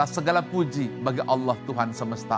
sebagai allah tuhan semesta alam